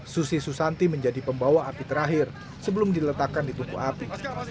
susi susanti menjadi pembawa api terakhir sebelum diletakkan di tuku api